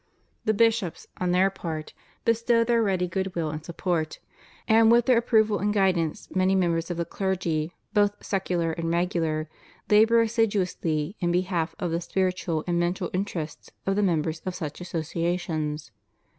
The bishops, on their part, bestow their ready good will and support; and with their approval and guidance many members of the clergy, both ^ secular and regular, labor assiduously in behalf of the spiritual and mental interests of the members of such associations.